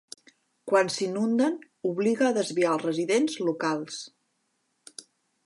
Quan s'inunden obliga a desviar els residents locals.